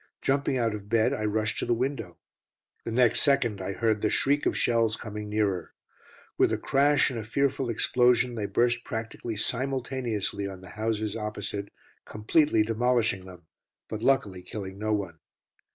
Jumping out of bed, I rushed to the window. The next second I heard the shriek of shells coming nearer. With a crash and a fearful explosion they burst practically simultaneously on the houses opposite, completely demolishing them, but luckily killing no one.